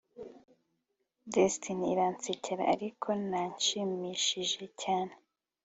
destiny iransekera ariko ntanshimishije cyane